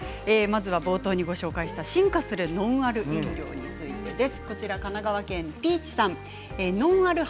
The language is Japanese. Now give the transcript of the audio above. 冒頭にご紹介した進化するノンアル飲料についてです。